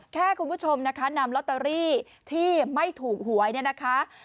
คุณผู้ชมนะคะนำลอตเตอรี่ที่ไม่ถูกหวยเนี่ยนะคะ